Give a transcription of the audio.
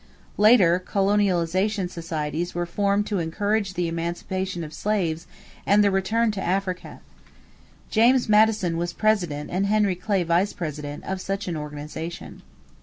Later, colonization societies were formed to encourage the emancipation of slaves and their return to Africa. James Madison was president and Henry Clay vice president of such an organization.